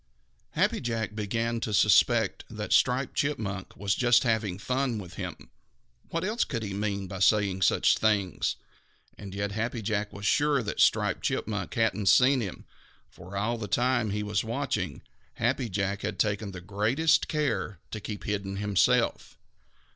Happy Jack began to suspect that Striped Chipmunk was just having fun with him. What else could he mean by saying such things? And yet Happy Jack was sure that Striped Chipmunk hadn't seen him, for, all the time he was watching, Happy Jack had taken the greatest care to keep hidden himself.